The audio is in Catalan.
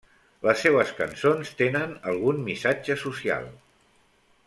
Les seues cançons tenen algun missatge social.